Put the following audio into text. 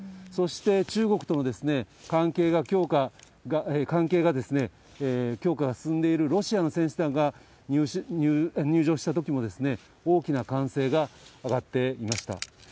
そして、中国との関係が強化進んでいるロシアの選手団が入場したときも、大きな歓声が上がっていました。